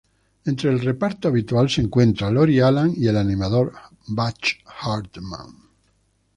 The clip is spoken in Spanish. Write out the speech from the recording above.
Entre el reparto habitual se encuentran Lori Alan y el animador Butch Hartman.